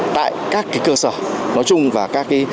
tại các cái cơ sở nói chung và các cái